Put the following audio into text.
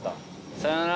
さよなら！